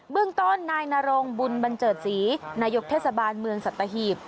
เรื่องต้นนายนรงบุญบันเจิดศรีนายกเทศบาลเมืองสัตหีบ